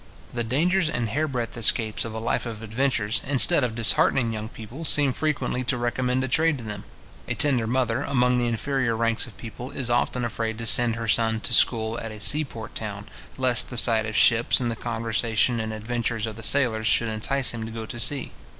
The dangers and hair breadth escapes of a life of adventures, instead of disheartening young people, seem frequently to recommend a trade to them. A tender mother, among the inferior ranks of people, is often afraid to send her son to school at a sea port town, lest the sight of the ships, and the conversation and adventures of the sailors, should entice him to go to sea.